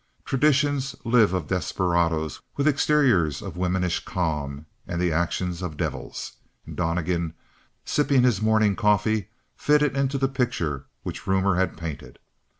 Traditions live of desperadoes with exteriors of womanish calm and the action of devils. And Donnegan sipping his morning coffee fitted into the picture which rumor had painted.